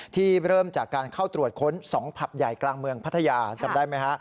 เริ่มจากการเข้าตรวจค้น๒ผับใหญ่กลางเมืองพัทยาจำได้ไหมฮะ